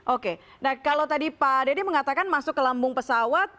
oke nah kalau tadi pak dede mengatakan masuk ke lambung pesawat